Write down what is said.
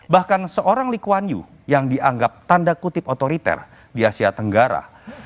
bahkan seorang likuwan yu yang dianggap tanda kutip otoriter di asia tenggara